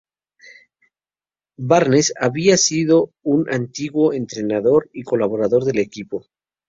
Barnes había sido un antiguo entrenador y colaborador del equipo.